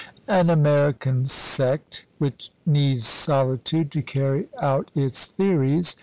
"An American sect, which needs solitude to carry out its theories.